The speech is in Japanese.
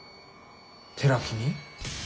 寺木に？